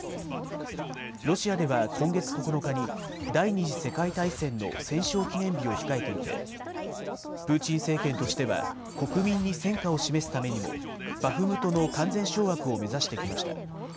ロシアでは今月９日に、第２次世界大戦の戦勝記念日を控えていて、プーチン政権としては、国民に戦果を示すためにもバフムトの完全掌握を目指してきました。